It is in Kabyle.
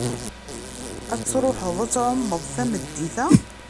Ad truḥeḍ ad tɛummeḍ tameddit-a?